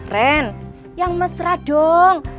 ren yang mesra dong